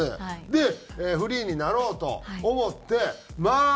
でフリーになろうと思ってまあ